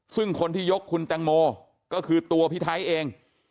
ซึ่งคนที่ยกคุณแตงโมก็คือตัวพี่ไทยเอง